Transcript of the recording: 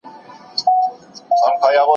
عام افغانان عادلانه محکمې ته اسانه لاسرسی نه لري.